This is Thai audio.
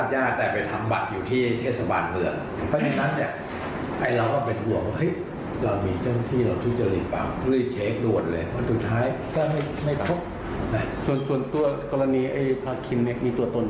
อยู่บัตรที่นี้แหละเกิดวันเดือนปีนี้แหละ